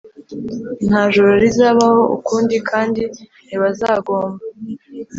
Nta joro rizabaho ukundi kandi ntibazagomba